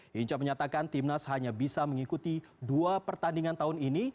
hinca menyatakan timnas hanya bisa mengikuti dua pertandingan tahun ini